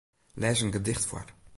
Lês in gedicht foar.